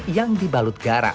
yang dibalut garam